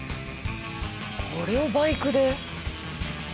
これをバイクで？